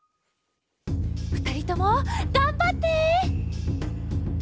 ふたりともがんばって！